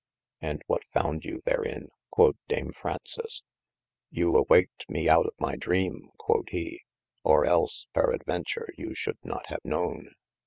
And what found you therin (quod Dame Frounces) ? you awaked me out of my dreame (quod he) or ells peradventure you should not have knowen.